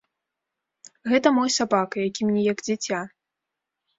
Гэта мой сабака, які для мяне як дзіця.